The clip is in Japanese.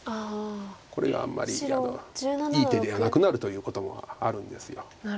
これがあんまりいい手ではなくなるということもあるんです。